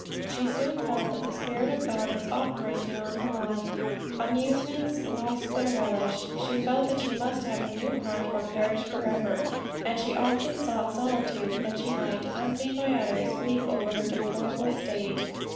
She soon felt that the Spirit of God was operating on her mind. Amusements lost their relish; she felt that she must have a new heart or perish forever; and she often sought solitude, that she might, unseen by others, weep over her deplorable state.